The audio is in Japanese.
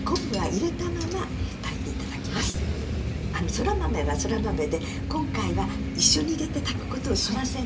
そら豆はそら豆で今回は一緒に入れて炊くことをしませんので。